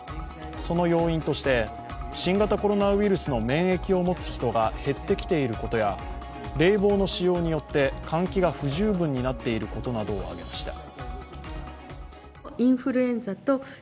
その要因として、新型コロナウイルスの免疫を持つ人が減ってきていることや、冷房の使用によって換気が不十分になっていることなどを挙げました。